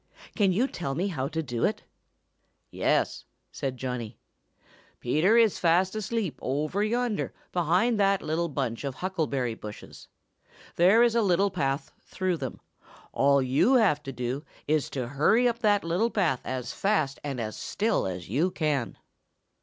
"Can you tell me how to do it?" "Yes," said Johnny. "Peter is fast asleep over yonder behind that little bunch of huckleberry bushes. There is a little path through them. All you have to do is to hurry up that little path as fast and as still as you can."